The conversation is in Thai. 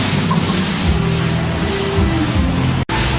สุดท้ายสุดท้ายสุดท้าย